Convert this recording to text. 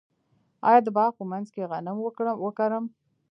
آیا د باغ په منځ کې غنم وکرم؟